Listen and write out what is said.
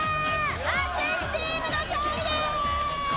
淳チームの勝利です！